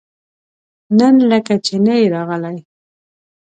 نن لکه چې نه يې راغلی؟